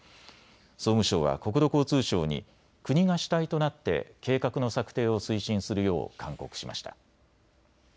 総務省は国土交通省に国が主体となって計画の策定を推進するよう勧告しました。